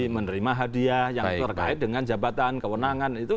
menerima hadiah yang terkait dengan jabatan kewenangan itu